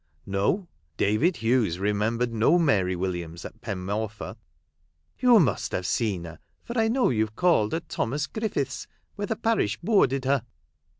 No ! David Hughes remembered no Mary Williams at Pen Morfa. "You must have seen her, for I know you've called at Thomas Griffiths', where the parish boarded her